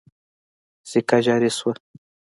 سکه جاري شوه.